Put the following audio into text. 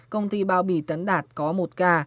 công ty bao bì tấn đạt có một ca